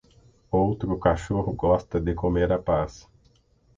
Outro cachorro gosta de comer a paz.